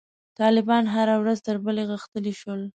طالبان هره ورځ تر بلې غښتلي شول.